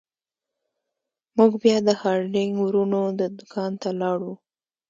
موږ بیا د هارډینګ ورونو دکان ته لاړو.